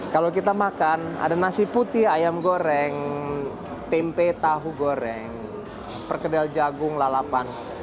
kalau kita makan ada nasi putih ayam goreng tempe tahu goreng perkedel jagung lalapan